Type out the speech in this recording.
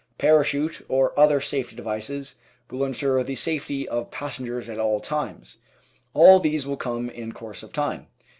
Parachute or other safety devices will ensure the safety of pas sengers at all times. All these will come in course of time.